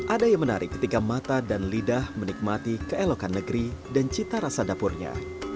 ada yang menarik ketika mata dan lidah menikmati keelokan negeri dan cita rasa dapurnya